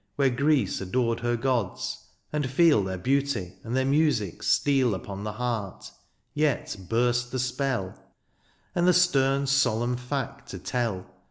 Where Greece adored her gods, and feel Their beauty and their music steal Upon the heart, yet burst the spell. And the stem solemn fact to tell.